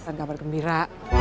kan kabar gembira